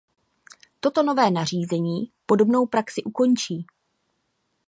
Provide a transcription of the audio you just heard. Toto nové nařízení podobnou praxi ukončí.